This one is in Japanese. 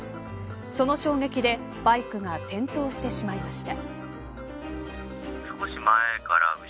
その衝撃でバイクが転倒してしまいました。